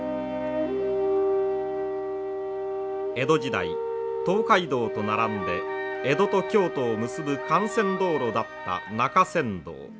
江戸時代東海道と並んで江戸と京都を結ぶ幹線道路だった中山道。